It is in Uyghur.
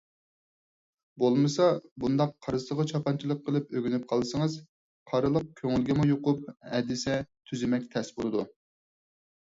بولمىسا، بۇنداق قارىسىغا چاپانچىلىق قىلىپ ئۆگىنىپ قالسىڭىز قارىلىق كۆڭۈلگىمۇ يۇقۇپ ئەدىسە تۈزىمەك تەس بولىدۇ.